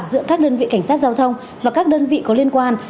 giữa các đơn vị cảnh sát giao thông và các đơn vị có liên quan